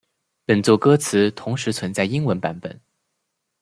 本作歌词同时存在英文版本。